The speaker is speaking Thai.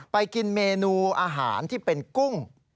กินเมนูอาหารที่เป็นกุ้ง